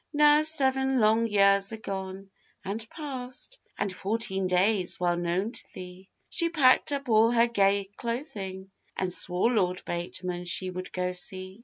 Now seven long years are gone and past, And fourteen days, well known to thee; She packed up all her gay clothing, And swore Lord Bateman she would go see.